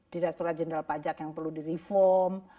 direkturat jenderal pajak yang perlu direform